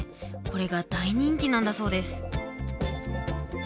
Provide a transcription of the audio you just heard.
これが大人気なんだそうです。